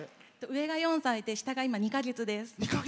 上が４歳で、下が今２か月です。